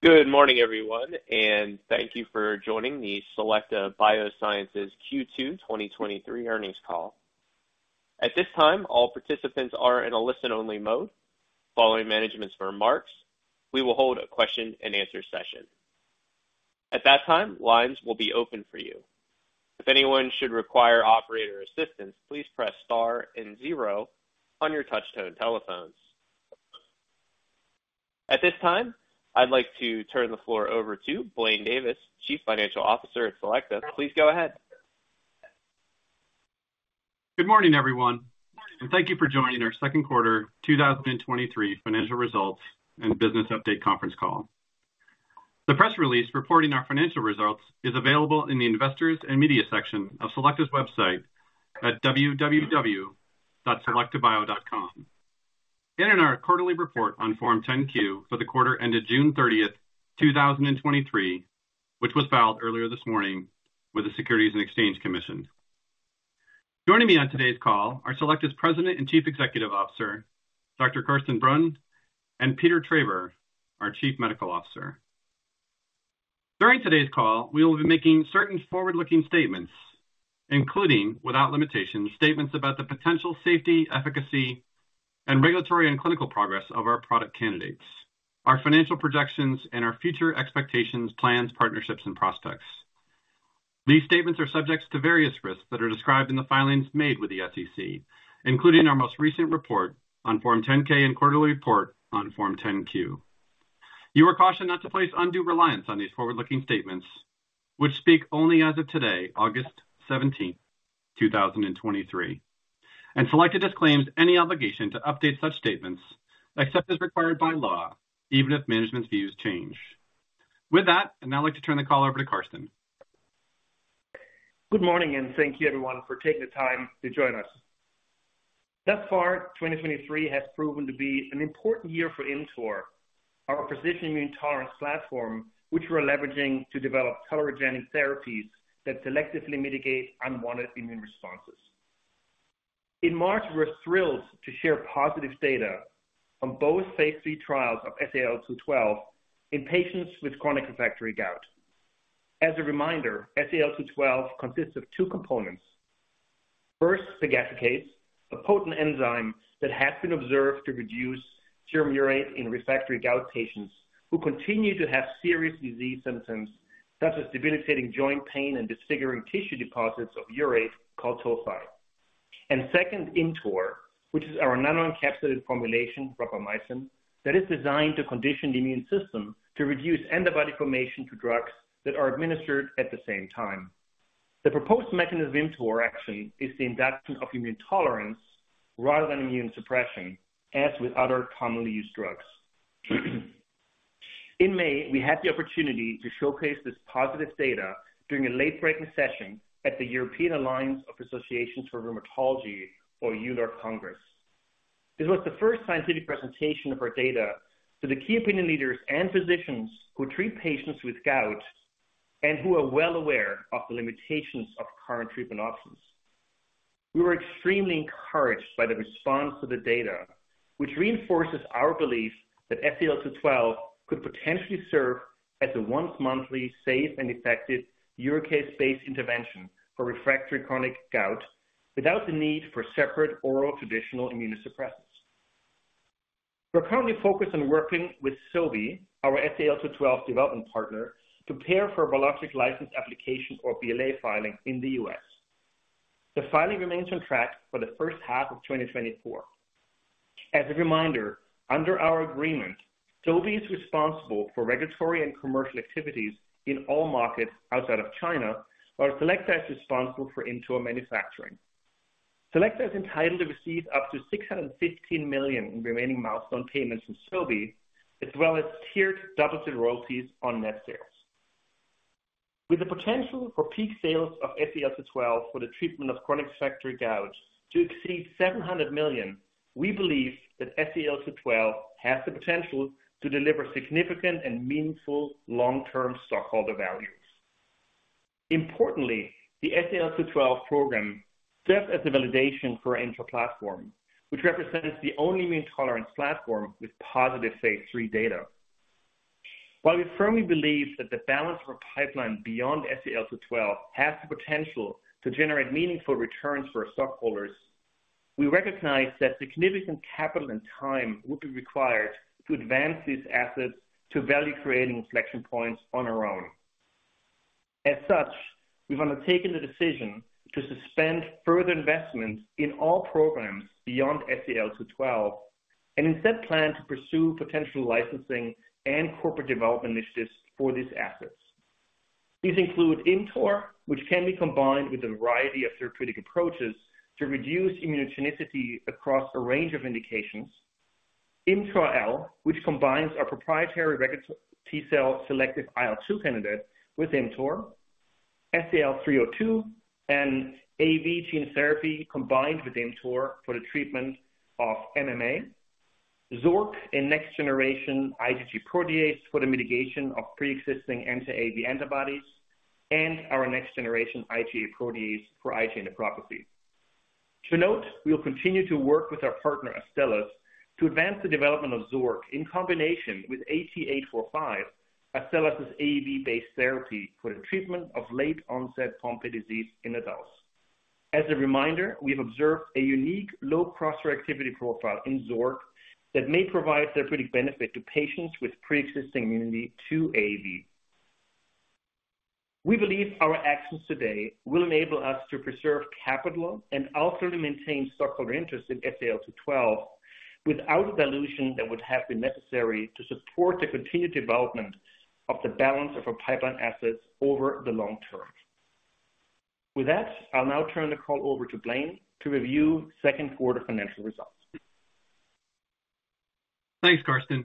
Good morning, everyone, thank you for joining the Selecta Biosciences Q2 2023 earnings call. At this time, all participants are in a listen-only mode. Following management's remarks, we will hold a question-and-answer session. At that time, lines will be open for you. If anyone should require operator assistance, please press star zero on your touchtone telephones. At this time, I'd like to turn the floor over to Blaine Davis, Chief Financial Officer at Selecta. Please go ahead. Good morning, everyone, thank you for joining our second quarter 2023 financial results and business update conference call. The press release reporting our financial results is available in the Investors and Media section of Selecta's website at www.selectabio.com. In our quarterly report on Form 10-Q for the quarter ended June 30th, 2023, which was filed earlier this morning with the Securities and Exchange Commission. Joining me on today's call are Selecta's President and Chief Executive Officer, Dr. Carsten Brunn, and Peter Traber, our Chief Medical Officer. During today's call, we will be making certain forward-looking statements, including, without limitation, statements about the potential safety, efficacy, and regulatory and clinical progress of our product candidates, our financial projections, and our future expectations, plans, partnerships, and prospects. These statements are subject to various risks that are described in the filings made with the SEC, including our most recent report on Form 10-K and quarterly report on Form 10-Q. You are cautioned not to place undue reliance on these forward-looking statements, which speak only as of today, August 17th, 2023, and Selecta disclaims any obligation to update such statements except as required by law, even if management views change. With that, I'd now like to turn the call over to Carsten. Good morning. Thank you everyone for taking the time to join us. Thus far, 2023 has proven to be an important year for ImmTOR, our precision immune tolerance platform, which we're leveraging to develop tolerogenic therapies that selectively mitigate unwanted immune responses. In March, we were thrilled to share positive data on both phase III trials of SEL-212 in patients with chronic refractory gout. As a reminder, SEL-212 consists of two components. First, pegadricase, a potent enzyme that has been observed to reduce serum urate in refractory gout patients who continue to have serious disease symptoms, such as debilitating joint pain and disfiguring tissue deposits of urate called tophi. Second, ImmTOR, which is our non-encapsulated formulation, rapamycin, that is designed to condition the immune system to reduce antibody formation to drugs that are administered at the same time. The proposed mechanism of ImmTOR action is the induction of immune tolerance rather than immune suppression, as with other commonly used drugs. In May, we had the opportunity to showcase this positive data during a late-breaking session at the European Alliance of Associations for Rheumatology or EULAR Congress. This was the first scientific presentation of our data to the key opinion leaders and physicians who treat patients with gout and who are well aware of the limitations of current treatment options. We were extremely encouraged by the response to the data, which reinforces our belief that SEL-212 could potentially serve as a once-monthly, safe, and effective urate-based intervention for refractory chronic gout, without the need for separate oral traditional immunosuppressants. We're currently focused on working with Sobi, our SEL-212 development partner, to prepare for a Biologics License Application or BLA filing in the U.S. The filing remains on track for the first half of 2024. As a reminder, under our agreement, Sobi is responsible for regulatory and commercial activities in all markets outside of China, while Selecta is responsible for ImmTOR manufacturing. Selecta is entitled to receive up to $615 million in remaining milestone payments from Sobi, as well as tiered double-digit royalties on net sales. With the potential for peak sales of SEL-212 for the treatment of chronic refractory gout to exceed $700 million, we believe that SEL-212 has the potential to deliver significant and meaningful long-term stockholder values. Importantly, the SEL-212 program serves as a validation for ImmTOR platform, which represents the only immune tolerance platform with positive phase III data. While we firmly believe that the balance of our pipeline beyond SEL-212 has the potential to generate meaningful returns for our stockholders, we recognize that significant capital and time would be required to advance these assets to value-creating inflection points on our own. As such, we want to taken the decision to suspend further investments in all programs beyond SEL-212, and instead plan to pursue potential licensing and corporate development initiatives for these assets. These include ImmTOR, which can be combined with a variety of therapeutic approaches to reduce immunogenicity across a range of indications. ImmTOR-IL, which combines our proprietary regulatory T-cell selective IL-2 candidate with ImmTOR, SEL-302, an AAV gene therapy combined with ImmTOR for the treatment of MMA, Xork, a next-generation IgG protease for the mitigation of pre-existing anti-AAV antibodies, and our next-generation IgA protease for IgA nephropathy. To note, we'll continue to work with our partner, Astellas, to advance the development of Xork in combination with AT845, Astellas' AAV-based therapy for the treatment of late-onset Pompe disease in adults. As a reminder, we have observed a unique low cross-reactivity profile in Xork that may provide therapeutic benefit to patients with pre-existing immunity to AAV. We believe our actions today will enable us to preserve capital and also to maintain stockholder interest in SEL-212, without dilution that would have been necessary to support the continued development of the balance of our pipeline assets over the long term. With that, I'll now turn the call over to Blaine to review second quarter financial results. Thanks, Carsten.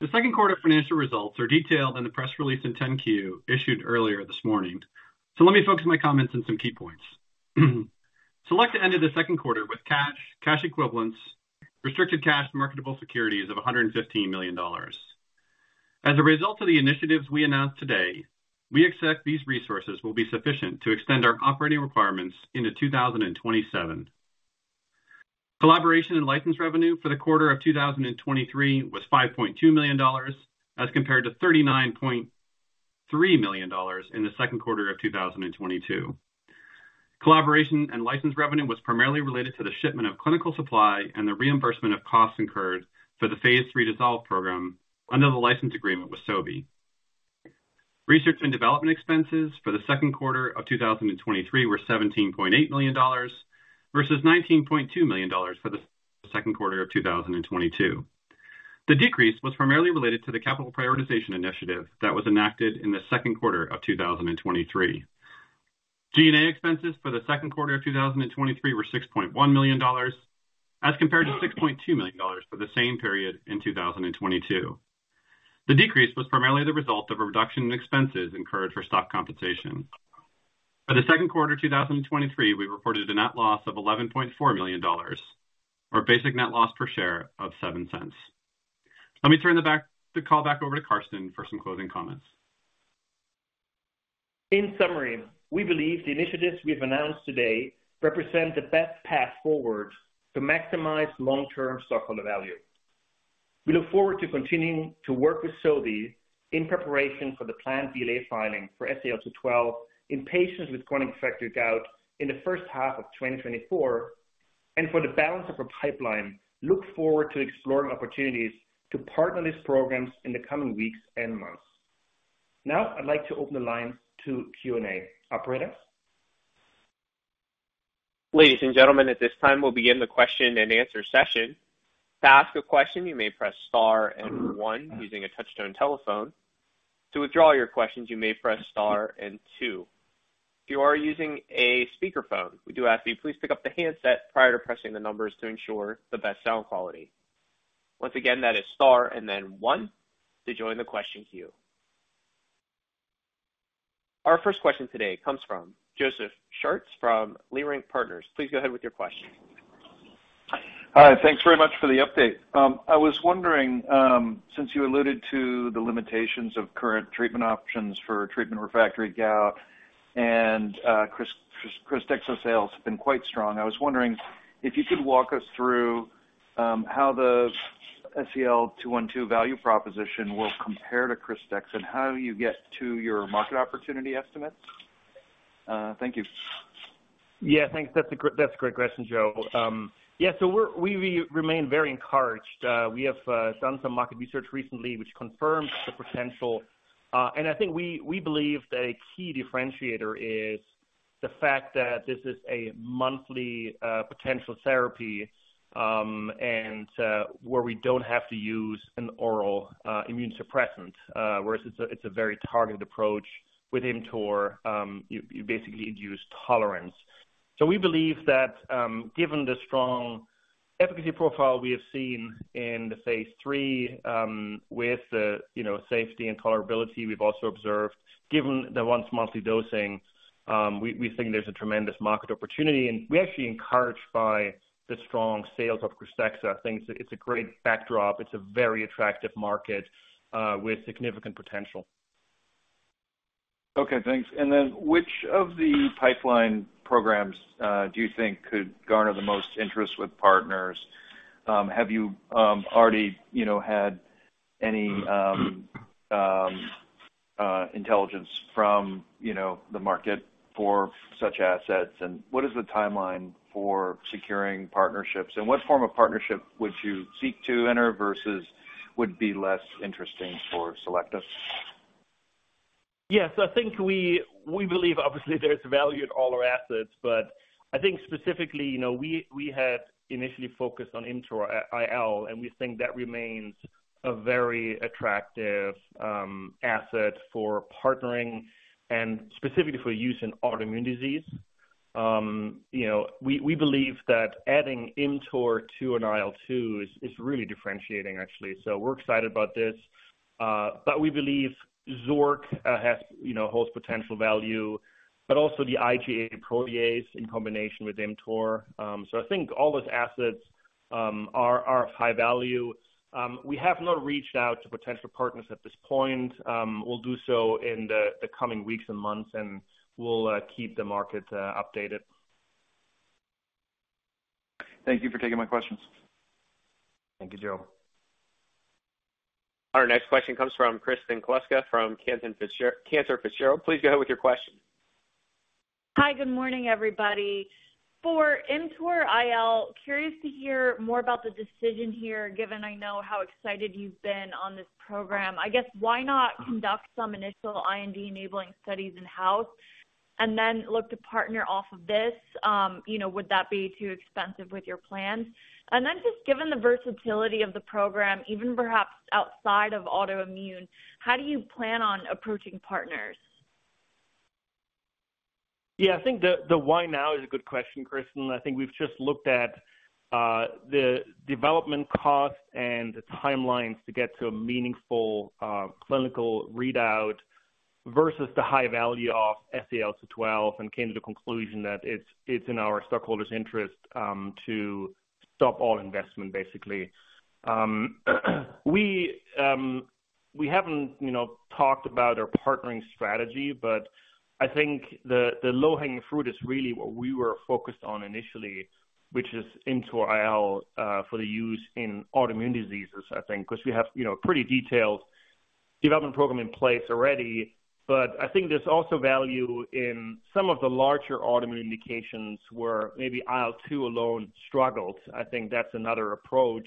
The second quarter financial results are detailed in the press release and 10-Q issued earlier this morning, let me focus my comments on some key points. Selecta ended of the second quarter with cash, cash equivalents, restricted cash, marketable securities of $115 million. As a result of the initiatives we announced today, we expect these resources will be sufficient to extend our operating requirements into 2027. Collaboration and license revenue for the quarter of 2023 was $5.2 million, as compared to $39.3 million in the second quarter of 2022. Collaboration and license revenue was primarily related to the shipment of clinical supply and the reimbursement of costs incurred for the Phase III DISSOLVE program under the license agreement with Sobi. Research and development expenses for the second quarter of 2023 were $17.8 million, versus $19.2 million for the second quarter of 2022. The decrease was primarily related to the capital prioritization initiative that was enacted in the second quarter of 2023. G&A expenses for the second quarter of 2023 were $6.1 million, as compared to $6.2 million for the same period in 2022. The decrease was primarily the result of a reduction in expenses incurred for stock compensation. For the second quarter of 2023, we reported a net loss of $11.4 million, or basic net loss per share of $0.07. Let me turn the call back over to Carsten for some closing comments. In summary, we believe the initiatives we've announced today represent the best path forward to maximize long-term stockholder value. We look forward to continuing to work with Sobi in preparation for the planned BLA filing for SEL-212 in patients with chronic refractory gout in the first half of 2024, and for the balance of our pipeline, look forward to exploring opportunities to partner these programs in the coming weeks and months. Now, I'd like to open the line to Q&A. Operator? Ladies and gentlemen, at this time, we'll begin the question-and-answer session. To ask a question, you may press star and one using a touchtone telephone. To withdraw your questions, you may press star and two. If you are using a speakerphone, we do ask that you please pick up the handset prior to pressing the numbers to ensure the best sound quality. Once again, that is star and then one to join the question queue. Our first question today comes from Joseph Schwartz from Leerink Partners. Please go ahead with your question. Hi, thanks very much for the update. I was wondering, since you alluded to the limitations of current treatment options for treatment refractory gout and Krystexxa sales have been quite strong, I was wondering if you could walk us through how the SEL-212 value proposition will compare to Krystexxa and how you get to your market opportunity estimates? Thank you. Yeah, thanks. That's a great- that's a great question, Joe. Yeah, so we're-- we, we remain very encouraged. We have done some market research recently, which confirms the potential. I think we, we believe that a key differentiator is the fact that this is a monthly potential therapy, and where we don't have to use an oral immune suppressant, whereas it's a, it's a very targeted approach. With ImmTOR, you, you basically induce tolerance. We believe that, given the strong efficacy profile we have seen in the phase III, with the, you know, safety and tolerability we've also observed, given the once monthly dosing, we, we think there's a tremendous market opportunity. We're actually encouraged by the strong sales of Krystexxa. I think it's a great backdrop. It's a very attractive market, with significant potential. Okay, thanks. Which of the pipeline programs do you think could garner the most interest with partners? Have you, you know, had any intelligence from, you know, the market for such assets? What is the timeline for securing partnerships, and what form of partnership would you seek to enter versus would be less interesting for Selecta? Yes, I think we, we believe, obviously, there's value in all our assets, but I think specifically, you know, we, we had initially focused on ImmTOR-IL, and we think that remains a very attractive asset for partnering and specifically for use in autoimmune disease. You know, we, we believe that adding ImmTOR to an IL-2 is, is really differentiating, actually. We're excited about this, but we believe Xork has, you know, holds potential value, but also the IgA protease in combination with ImmTOR. I think all those assets-... are, are of high value. We have not reached out to potential partners at this point. We'll do so in the, the coming weeks and months, and we'll keep the market updated. Thank you for taking my questions. Thank you, Joe. Our next question comes from Kristen Kluska from Cantor Fitzgerald. Please go ahead with your question. Hi, good morning, everybody. For ImmTOR-IL, curious to hear more about the decision here, given I know how excited you've been on this program. I guess, why not conduct some initial IND-enabling studies in-house and then look to partner off of this? You know, would that be too expensive with your plans? Then just given the versatility of the program, even perhaps outside of autoimmune, how do you plan on approaching partners? Yeah, I think the, the why now is a good question, Kristen. I think we've just looked at the development costs and the timelines to get to a meaningful clinical readout versus the high value of SEL-212, and came to the conclusion that it's, it's in our stockholders' interest, to stop all investment, basically. We, we haven't, you know, talked about our partnering strategy, but I think the, the low-hanging fruit is really what we were focused on initially, which is ImmTOR-IL, for the use in autoimmune diseases, I think, because we have, you know, pretty detailed development program in place already. I think there's also value in some of the larger autoimmune indications where maybe IL-2 alone struggles. I think that's another approach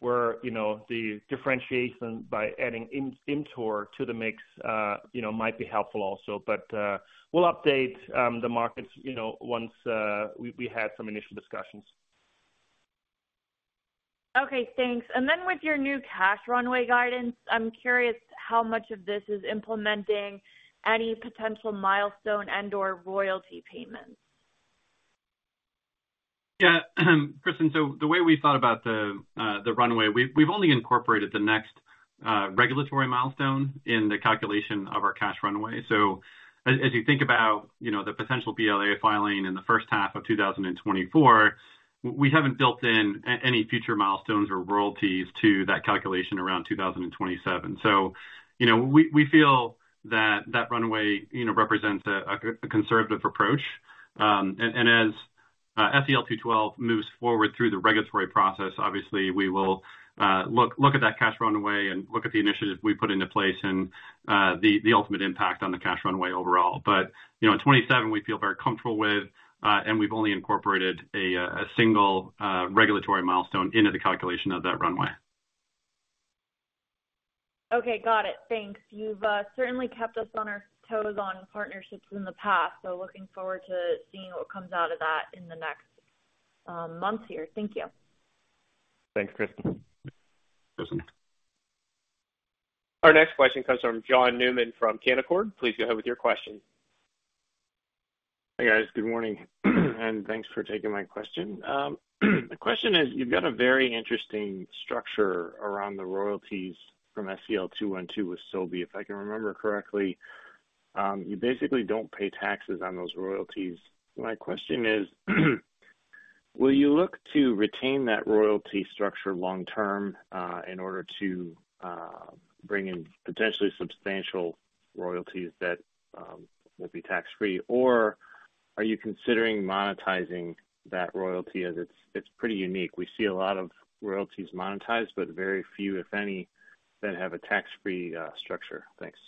where, you know, the differentiation by adding ImmTOR to the mix, you know, might be helpful also. We'll update the markets, you know, once we, we had some initial discussions. Okay, thanks. With your new cash runway guidance, I'm curious how much of this is implementing any potential milestone and/or royalty payments? Yeah, Kristen, so the way we thought about the runway, we've, we've only incorporated the next regulatory milestone in the calculation of our cash runway. As you think about, you know, the potential BLA filing in the first half of 2024, we haven't built in any future milestones or royalties to that calculation around 2027. You know, we, we feel that that runway, you know, represents a conservative approach. As SEL-212 moves forward through the regulatory process, obviously, we will look, look at that cash runway and look at the initiatives we put into place and the ultimate impact on the cash runway overall. you know, in 2027, we feel very comfortable with, and we've only incorporated a, a single, regulatory milestone into the calculation of that runway. Okay, got it. Thanks. You've certainly kept us on our toes on partnerships in the past, so looking forward to seeing what comes out of that in the next months here. Thank you. Thanks, Kristen. Our next question comes from John Newman from Canaccord. Please go ahead with your question. Hi, guys. Good morning, and thanks for taking my question. The question is, you've got a very interesting structure around the royalties from SEL-212 with Sobi. If I can remember correctly, you basically don't pay taxes on those royalties. My question is, will you look to retain that royalty structure long term, in order to bring in potentially substantial royalties that will be tax-free? Are you considering monetizing that royalty, as it's, it's pretty unique. We see a lot of royalties monetized, but very few, if any, that have a tax-free structure. Thanks.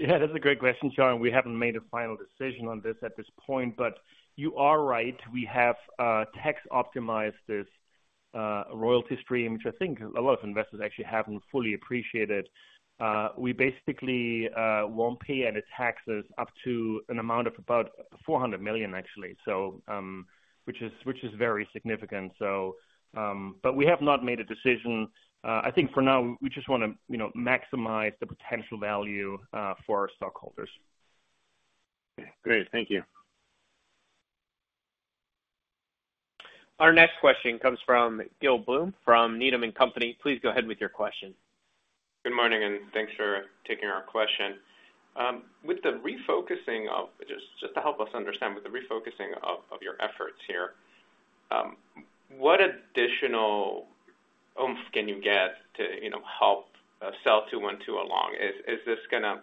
Yeah, that's a great question, John. We haven't made a final decision on this at this point, but you are right. We have tax optimized this royalty stream, which I think a lot of investors actually haven't fully appreciated. We basically won't pay any taxes up to an amount of about $400 million, actually, which is very significant. We have not made a decision. I think for now, we just want to, you know, maximize the potential value for our stockholders. Great. Thank you. Our next question comes from Gil Blum, from Needham & Company. Please go ahead with your question. Good morning, thanks for taking our question. With the refocusing of... Just, just to help us understand, with the refocusing of, of your efforts here, what additional oomph can you get to, you know, help SEL-212 along? Is, is this gonna,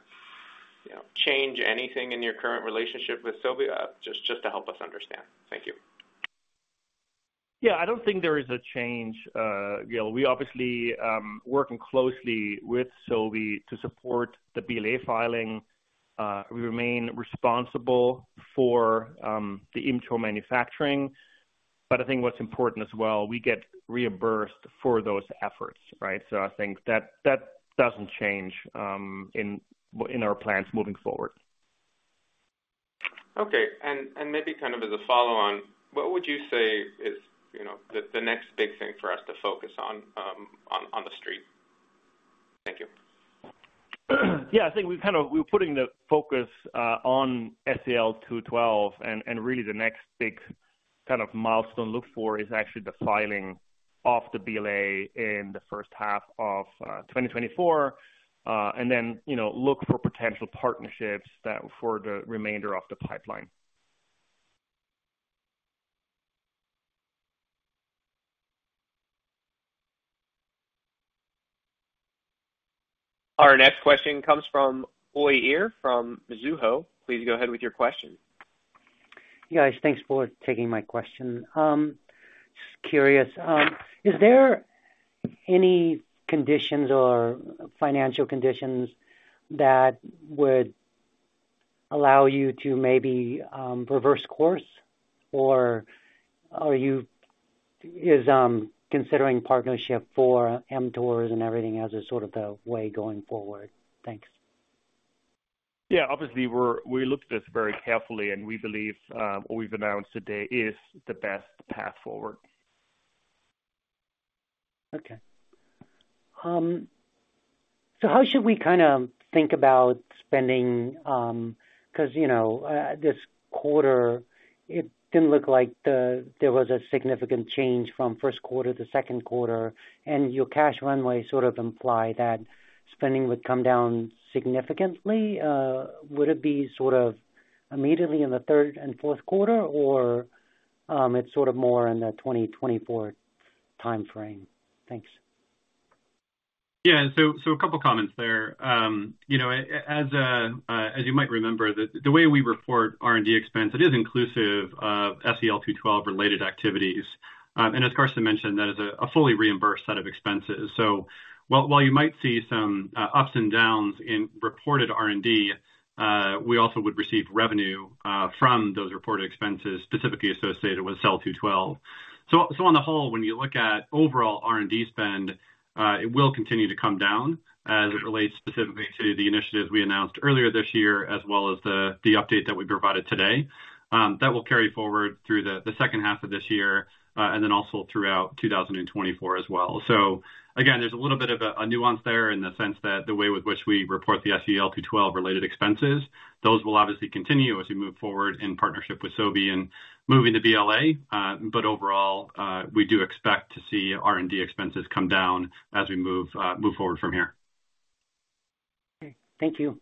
you know, change anything in your current relationship with Sobi? Just, just to help us understand. Thank you. Yeah, I don't think there is a change, Gil. We obviously, working closely with Sobi to support the BLA filing. We remain responsible for the ImmTOR manufacturing. I think what's important as well, we get reimbursed for those efforts, right? I think that, that doesn't change in our plans moving forward. Okay. And maybe kind of as a follow-on, what would you say is, you know, the, the next big thing for us to focus on, on, on the street? Thank you. I think we're putting the focus on SEL-212, and really the next big kind of milestone look for is actually the filing off the BLA in the first half of 2024, and then, you know, look for potential partnerships that for the remainder of the pipeline. Our next question comes from Uy Ear from Mizuho. Please go ahead with your question. Guys, thanks for taking my question. Just curious, is there any conditions or financial conditions that would allow you to maybe reverse course? Are you considering partnership for ImmTOR and everything as a sort of the way going forward? Thanks. Yeah, obviously, we're, we looked at this very carefully, and we believe, what we've announced today is the best path forward. Okay. How should we kind of think about spending, because, you know, this quarter, it didn't look like the, there was a significant change from first quarter to second quarter, and your cash runway sort of imply that spending would come down significantly? Would it be sort of immediately in the third and fourth quarter, or, it's sort of more in the 2024 timeframe? Thanks. Yeah. A couple of comments there. You know, as you might remember, the way we report R&D expense, it is inclusive of SEL-212 related activities. As Carsten mentioned, that is a fully reimbursed set of expenses. While, while you might see some ups and downs in reported R&D, we also would receive revenue from those reported expenses, specifically associated with SEL-212. On the whole, when you look at overall R&D spend, it will continue to come down as it relates specifically to the initiatives we announced earlier this year, as well as the update that we provided today. That will carry forward through the second half of this year, and then also throughout 2024 as well. Again, there's a little bit of a, a nuance there in the sense that the way with which we report the SEL-212 related expenses, those will obviously continue as we move forward in partnership with Sobi and moving to BLA. But overall, we do expect to see R&D expenses come down as we move forward from here. Okay, thank you.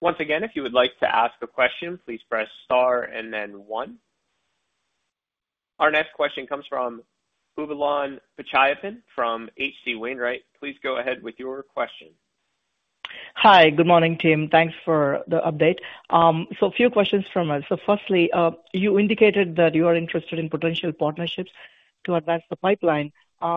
Once again, if you would like to ask a question, please press Star and then one. Our next question comes from Dipesh Patel from H.C. Wainwright. Please go ahead with your question. Hi, good morning, team. Thanks for the update. A few questions from us. Firstly, you indicated that you are interested in potential partnerships to advance the pipeline.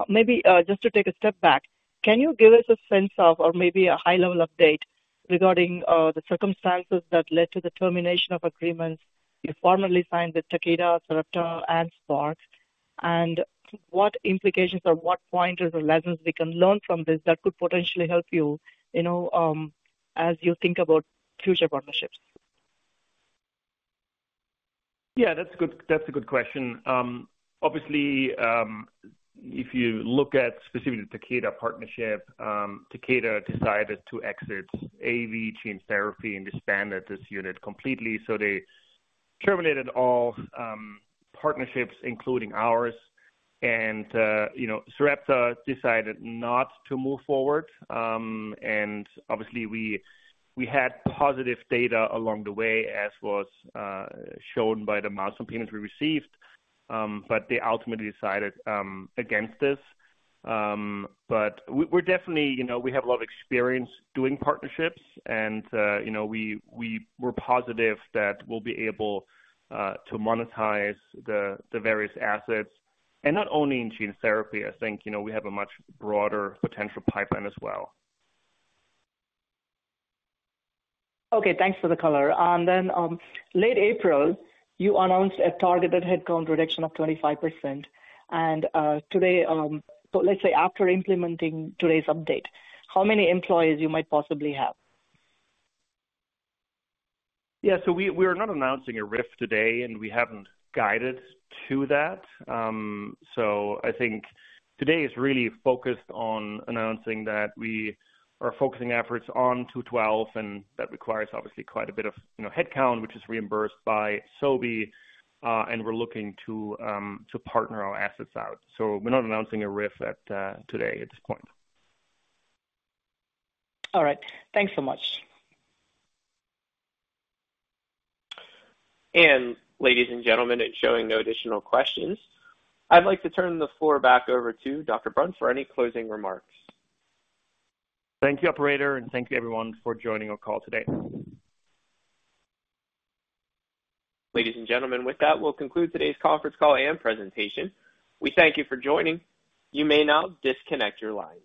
Maybe, just to take a step back, can you give us a sense of or maybe a high-level update regarding the circumstances that led to the termination of agreements you formerly signed with Takeda, Sarepta, and Spark? What implications or what pointers or lessons we can learn from this that could potentially help you, you know, as you think about future partnerships? Yeah, that's a good, that's a good question. Obviously, if you look at specifically Takeda partnership, Takeda decided to exit AAV gene therapy and disbanded this unit completely, they terminated all partnerships, including ours. You know, Sarepta decided not to move forward. Obviously we, we had positive data along the way, as was shown by the milestone payments we received, but they ultimately decided against this. We're definitely, you know, we have a lot of experience doing partnerships, and you know, we're positive that we'll be able to monetize the various assets, and not only in gene therapy. I think, you know, we have a much broader potential pipeline as well. Okay, thanks for the color. Then, late April, you announced a targeted headcount reduction of 25%. Today, so let's say after implementing today's update, how many employees you might possibly have? Yeah, we, we are not announcing a RIF today, and we haven't guided to that. I think today is really focused on announcing that we are focusing efforts on SEL-212, and that requires obviously quite a bit of, you know, headcount, which is reimbursed by Sobi, and we're looking to partner our assets out. We're not announcing a RIF at today at this point. All right. Thanks so much. Ladies and gentlemen, it's showing no additional questions. I'd like to turn the floor back over to Carsten Brunn for any closing remarks. Thank you, operator, and thank you, everyone, for joining our call today. Ladies and gentlemen, with that, we'll conclude today's conference call and presentation. We thank you for joining. You may now disconnect your lines.